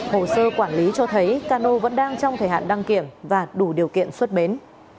hồ sơ quản lý cho thấy cano vẫn đang trong thời hạn đăng kiểm và đủ điều kiện xuất bến